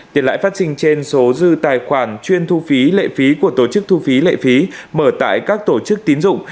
tiền lãi phát sinh trên số dư tài khoản chuyên thu phí lệ phí của tổ chức thu phí lệ phí mở tại các tổ chức tín dụng